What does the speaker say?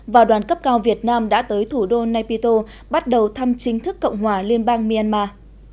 và đoàn cấp cao việt nam đã tới thủ đô naypito bắt đầu thăm chính thức cộng hòa liên bang myanmar